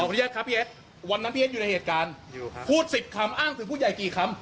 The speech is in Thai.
อ๋อพระเจ้าครับพี่แอดวันนั้นพี่แอดอยู่ในเหตุการณ์พูดสิบคำอ้างถึงผู้ใหญ่กี่คำ